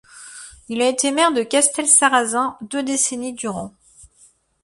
Il a été maire de Castelsarrasin deux décennies durant.